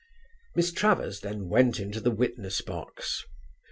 Miss Travers then went into the witness box.